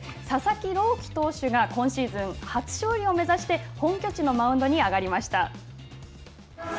佐々木朗希投手が今シーズン初勝利を目指して本拠地のマウンドに上がりました。